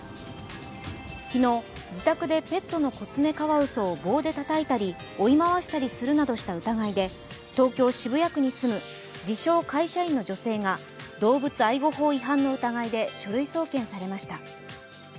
昨日、自宅でペットのコツメカワウソを棒でたたいたり追い回したりするなどした疑いで東京・渋谷区に住む自称会社員の女性が動物愛護法違反の疑いで書類送検されました。